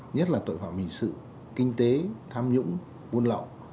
nhất là tội phạm hình sự kinh tế tham nhũng buôn lậu